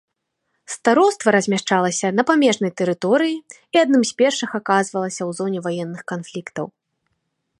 Староства размяшчалася на памежнай тэрыторыі і адным з першых аказвалася ў зоне ваенных канфліктаў.